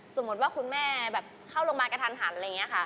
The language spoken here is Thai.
สมมุติว่าคุณแม่แบบเข้าโรงพยาบาลกระทันหันอะไรอย่างนี้ค่ะ